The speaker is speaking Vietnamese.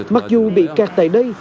mặc dù bị kẹt tại đây